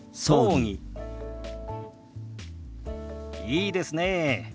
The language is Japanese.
いいですねえ。